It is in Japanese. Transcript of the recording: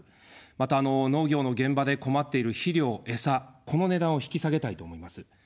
また、農業の現場で困っている肥料・餌、この値段を引き下げたいと思います。